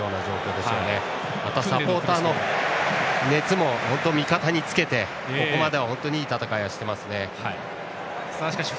また、サポーターの熱も味方につけてここまで、本当にいい戦いをしています。